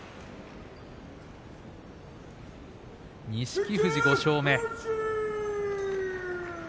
錦富士、５勝目。